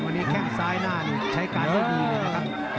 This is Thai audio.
วันนี้แข้งซ้ายหน้านี่ใช้การได้ดีเลยนะครับ